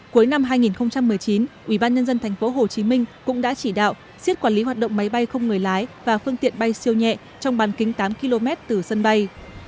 cuối năm hai nghìn một mươi chín ubnd tp hcm cũng đã chỉ đạo siết quản lý hoạt động máy bay không người lái và phương tiện bay siêu nhẹ trong bàn kính tám km từ sân bay